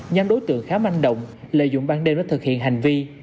nhóm đối tượng khá manh động lợi dụng ban đêm đã thực hiện hành vi